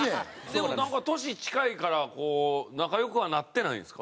でもなんか年近いから仲良くはなってないんですか？